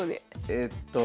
えっと。